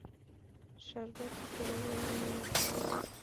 شربت د کلیوالو میلمهپالنه ده